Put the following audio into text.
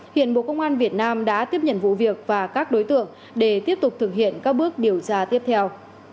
hiện bộ công an việt nam đã tiếp nhận vụ việc và các đối tượng để tiếp tục thực hiện các bước điều tra tiếp theo